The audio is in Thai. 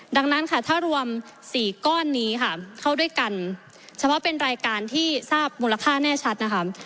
ดังนั้นค่ะถ้ารวม๔ก้อนนี้ค่ะเข้าด้วยกันเฉพาะเป็นรายการที่ทราบมูลค่าแน่ชัดนะคะ